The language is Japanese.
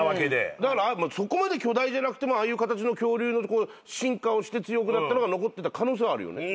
だからそこまで巨大じゃなくてもああいう形の恐竜の進化をして強くなったのが残ってた可能性はあるよね。